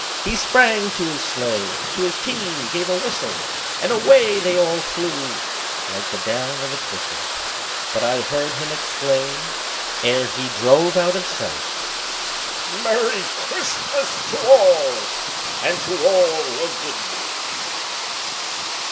He sprang to his sleigh, to his team gave a whistle, And away they all flew like the down of a thistle; But I heard him exclaim, ere he drove out of sight, "Merry Christmas to all, and to all a good night!"